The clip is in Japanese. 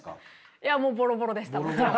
いやもうボロボロでしたもちろん。